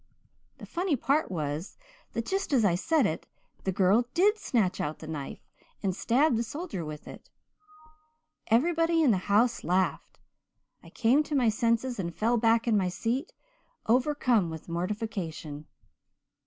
"The funny part was, that just as I said it, the girl did snatch out the knife and stab the soldier with it! "Everybody in the house laughed. I came to my senses and fell back in my seat, overcome with mortification.